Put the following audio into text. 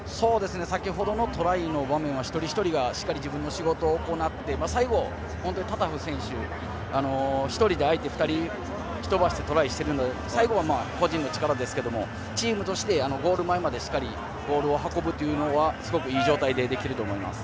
先ほどのトライの場面は一人一人がしっかり自分の仕事を行って最後、タタフ選手が相手２人を吹き飛ばしてトライしているので最後は個人の力ですがチームとしてゴール前までしっかりボールを運ぶというのはすごく、いい状態でできていると思います。